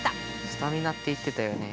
スタミナって言ってたよね。